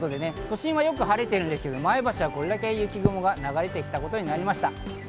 都心はよく晴れてるんですけど、前橋はこれだけ雪雲が流れてきたことになりました。